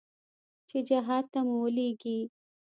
چې جهاد ته مو ولېږي.